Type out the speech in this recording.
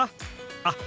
あっ